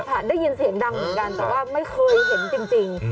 ได้ยินเสียงดังเหมือนกันแต่ว่าไม่เคยเห็นจริง